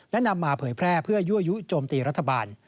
และนำมาเผยแพร่เพื่อยั่วยุโจมตีรัฐบาล